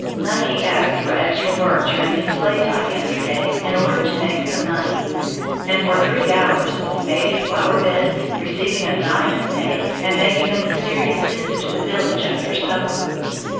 _ Nucky asked for extra work during his playtime yesterday in order to make some money, and for three hours spaded flower beds, receiving a dime in pay, and making a mysterious visit to the village after supper.